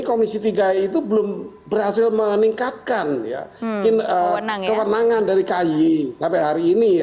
komisi tiga itu belum berhasil meningkatkan kewenangan dari kay sampai hari ini